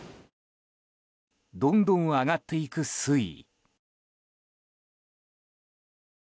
どんどん上がっていく水位。